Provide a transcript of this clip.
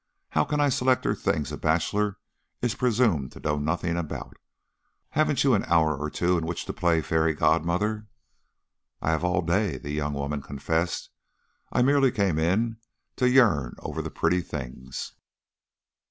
How can I select for her things a bachelor is presumed to know nothing about? Haven't you an hour or two in which to play Fairy Godmother?" "I have all day," the young woman confessed. "I merely came in to yearn over the pretty things."